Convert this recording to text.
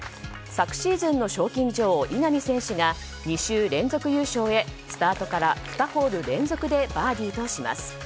昨シーズンの賞金女王稲見選手が、２週連続優勝へスタートから２ホール連続でバーディーとします。